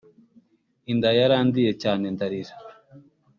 Inda yarandiye cyane ndarira